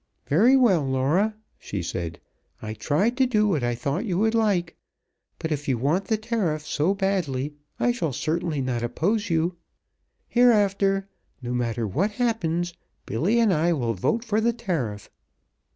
"Very well, Laura," she said. "I tried to do what I thought you would like, but if you want the tariff so badly I shall certainly not oppose you. Hereafter, no matter what happens, Billy and I will vote for the tariff!"